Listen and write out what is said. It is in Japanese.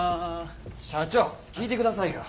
社長聞いてくださいよ！